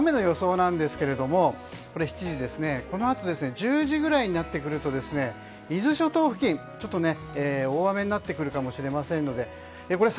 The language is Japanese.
このあとの雨の予想なんですがこのあと１０時ぐらいになってくると伊豆諸島付近、大雨になってくるかもしれませんので。